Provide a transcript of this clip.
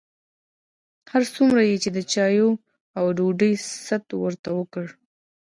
هر څومره یې چې د چایو او ډوډۍ ست ورته وکړ.